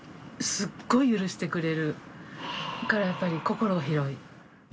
すっごい許してくれるからやっぱり心広い。